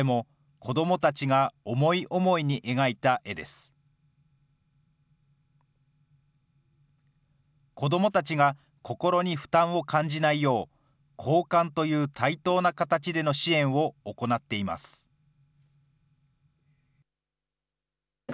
子どもたちが心に負担を感じないよう、交換という対等な形での支援を行っています。